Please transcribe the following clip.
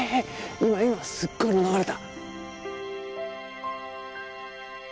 今今すっごいの流れた！